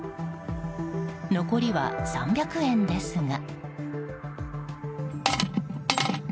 残りは３００円ですが。